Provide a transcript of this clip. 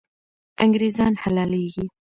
انګریزان حلالېږي.